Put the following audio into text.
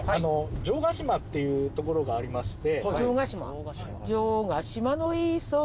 城ヶ島っていう所がありまして。